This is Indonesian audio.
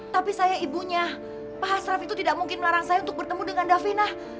tapi saya ibunya pak hasraf itu tidak mungkin melarang saya untuk bertemu dengan davina